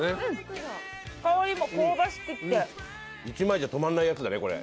１枚じゃ止まんないやつだねこれ。